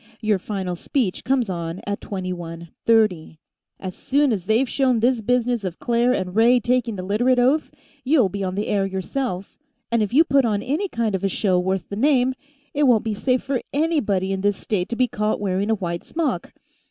Your final speech comes on at twenty one thirty. As soon as they've shown this business of Claire and Ray taking the Literate Oath, you'll be on the air, yourself, and if you put on any kind of a show worth the name, it won't be safe for anybody in this state to be caught wearing a white smock.